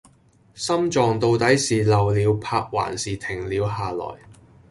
心臟到底是漏了拍還是停了下來